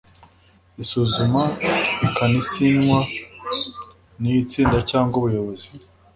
isuzumwa ikanasinywa n itsinda cyangwa umuyobozi